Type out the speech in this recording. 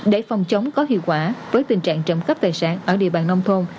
để phòng chống có hiệu quả với tình trạng trộm cắp tài sản ở địa bàn nông thôn